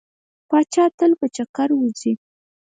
پاچا تل په چکر وځي.